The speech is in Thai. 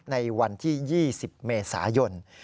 ในวันที่๒๐เมษายน